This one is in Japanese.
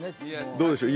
どうでしょう？